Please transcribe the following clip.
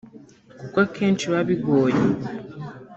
kuko akenshi biba bigoye